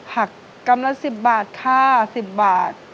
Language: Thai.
ผักกำลัง๑๐บาทค่า๑๐บาท